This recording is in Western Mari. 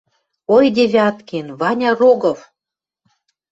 «Ой, Девяткин! Ваня Рогов!